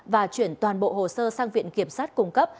và chuyển toàn bộ hồ sơ sang viện kiểm sát cung cấp